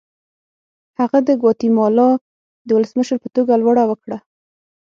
هغه د ګواتیمالا د ولسمشر په توګه لوړه وکړه.